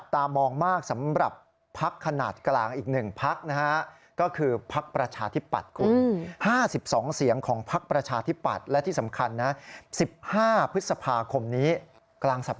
ต่อสอเรียบร้อยแล้วนะครับ